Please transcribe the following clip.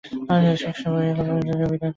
শ্রেষ্ঠী কহিলেন, ভাল ভাবনা কি বিদায় করিয়া দিব।